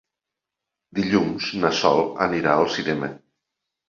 Dilluns na Sol anirà al cinema.